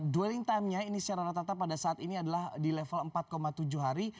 dwelling time nya ini secara rata rata pada saat ini adalah di level empat tujuh hari